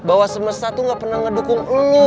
bahwa semesta tuh gak pernah ngedukung